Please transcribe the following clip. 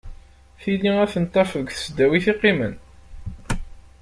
Tili ad ten-tafeḍ deg tesdawit i qqimen.